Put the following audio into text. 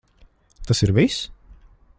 Tas ir viss?